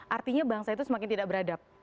artinya bangsa itu semakin tidak beradab